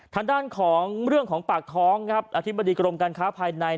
ทางด้านของเรื่องของปากท้องครับอธิบดีกรมการค้าภายใน